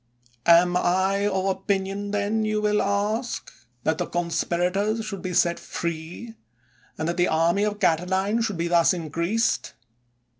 Am I of opinion, then, you will ask, 228 JULIUS CiBSAR that the conspirators should be set free, and that the army of Catiline should thus be increased?